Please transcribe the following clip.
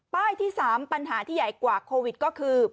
ที่๓ปัญหาที่ใหญ่กว่าโควิดก็คือ